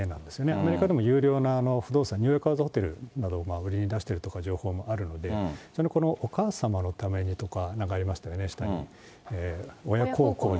アメリカでも優良な不動産、ニューヨーカーズホテルとかも売りに出しているということがあるので、お母様のためにとかなんかありますよね、下に。